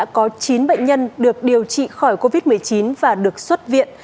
có chín bệnh nhân được điều trị khỏi covid một mươi chín và được xuất viện